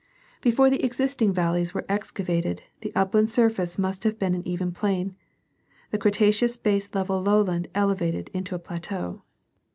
Before the existing valleys were exca H k\i. m vated, the upland surface must have been an even plain — the Cre taceous baselevel lowland elevated into a plateau.